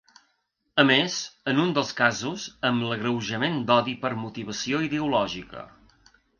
A més, en un dels casos, amb l’agreujant d’odi per motivació ideològica.